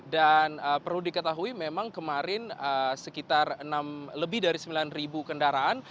dan perlu diketahui memang kemarin sekitar lebih dari sembilan kendaraan